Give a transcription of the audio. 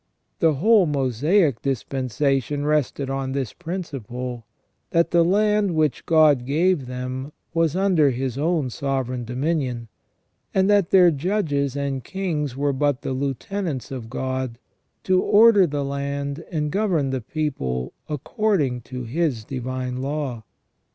The whole Mosaic dispensation rested on this prin ciple, that the land which God gave them was under His own sovereign dominion, and that their judges and kings were but the lieutenants of God, to order the land and govern the people according to His divine law.